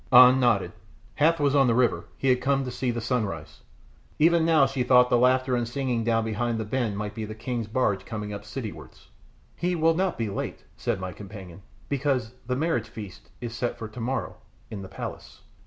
An nodded. Hath was on the river, he had been to see the sunrise; even now she thought the laughter and singing down behind the bend might be the king's barge coming up citywards. "He will not be late," said my companion, "because the marriage feast is set for tomorrow in the palace."